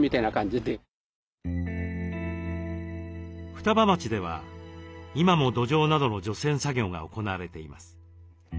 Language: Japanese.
双葉町では今も土壌などの除染作業が行われています。